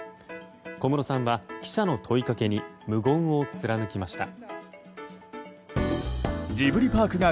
小室さんは記者の問いかけに無言を貫きました。